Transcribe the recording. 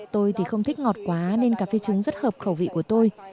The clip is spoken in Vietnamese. tôi thì không thích ngọt quá nên cà phê trứng rất hợp khẩu vị của tôi